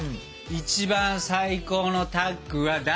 一番最高のタッグは誰？